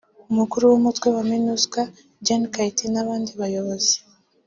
Umukuru w’umutwe wa Minusca Gen Kaita n’abandi bayobozi